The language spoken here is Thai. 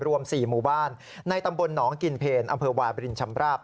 รวม๔หมู่บ้านในตำบลหนองกินเพลอำเภอวาบรินชำราบ